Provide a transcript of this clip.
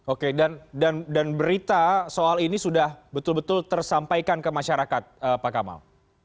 oke dan berita soal ini sudah betul betul tersampaikan ke masyarakat pak kamal